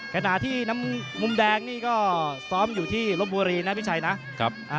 ขณะที่น้ำมุมแดงนี่ก็ซ้อมอยู่ที่ลบบุรีนะพี่ชัยนะครับ